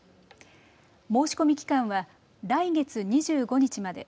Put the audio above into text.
申し込み期間は来月２５日まで。